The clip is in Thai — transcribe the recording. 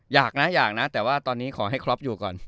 อยากนะอยากนะแต่ว่าตอนนี้ขอให้ครอปอยู่ก่อน